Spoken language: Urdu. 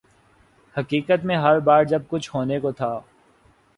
حقیقت میں ہر بار جب کچھ ہونے کو تھا۔